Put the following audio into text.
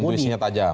jadi intuisinya tajam